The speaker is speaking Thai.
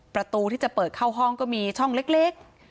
ประตูที่จะเปิดเข้าห้องก็มีช่องเล็ก